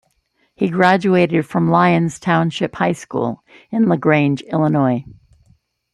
He graduated from Lyons Township High School in LaGrange, Illinois.